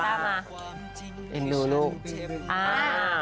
มาพี่ต้ามา